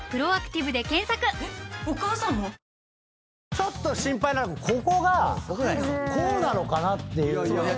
ちょっと心配なのがここがこうなのかなっていう。